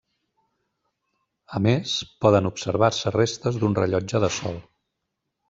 A més poden observar-se restes d'un rellotge de sol.